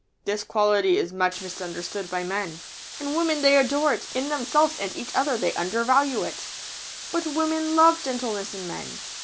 This quality is much misunderstood by men. In women they adore it; in themselves and each other they undervalue it. But women love gentleness in men.